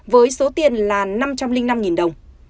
với số tiền là năm trăm linh năm đồng